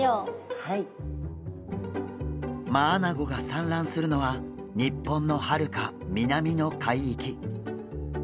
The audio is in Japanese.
マアナゴが産卵するのは日本のはるか南の海域。